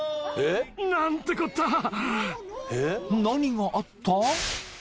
［何があった？］